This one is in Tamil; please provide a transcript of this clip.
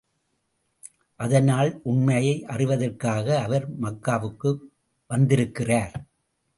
அதனால் உண்மையை அறிவதற்காக, அவர் மக்காவுக்கு வந்திருக்கிறார்.